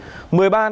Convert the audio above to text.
chết người quyết định